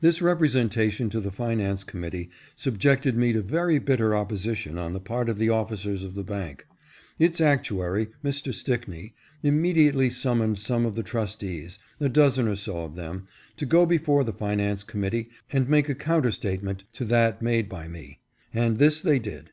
This representation to the finance committee sub jected me to very bitter opposition on the part of the officers of the bank. Its actuary, Mr. Stickney, imme diately summoned some of the trustees, a dozen or so of them, to go before the finance committee and make a counter statement to that made by me ; and this they did.